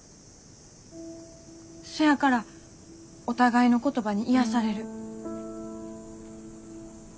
そやからお互いの言葉に癒やされる。